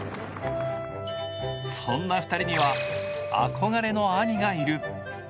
そんな２人には憧れの兄がいる。